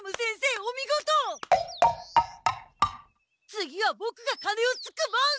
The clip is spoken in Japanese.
次はボクがカネをつく番！